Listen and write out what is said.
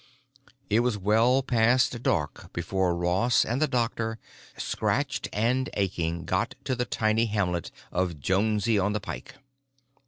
It was well past dark before Ross and the doctor, scratched and aching, got to the tiny hamlet of Jonesie on the Pike.